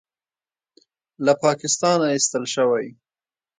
له پاکستانه ایستل شوی